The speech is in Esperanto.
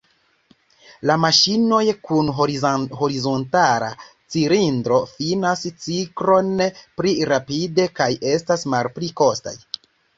La maŝinoj kun horizontala cilindro finas ciklon pli rapide kaj estas malpli kostaj.